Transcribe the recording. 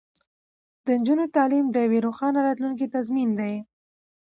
د نجونو تعلیم د یوې روښانه راتلونکې تضمین دی.